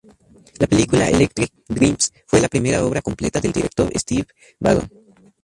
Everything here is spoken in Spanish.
La película "Electric Dreams" fue la primera obra completa del director Steve Barron.